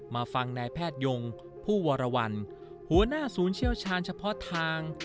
มาฟังนายแพทยงผู้วรวรรณหัวหน้าศูนย์เชี่ยวชาญเฉพาะทาง